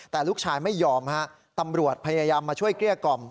แต่ลูกชายไม่ยอมฮะตำรวจพยายามมาช่วยเกลี้ยกล่อม